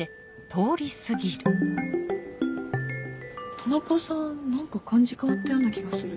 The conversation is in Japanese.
田中さん何か感じ変わったような気がする。